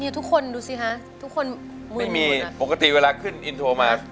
ทุกคนดูสิคะทุกคนไม่มีปกติเวลาขึ้นอินโทรมา